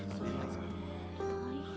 大変。